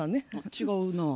違うなぁ。